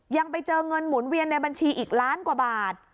ยังไปเจอเงินหมุนเวียนในบัญชีอีกล้านกว่าบาท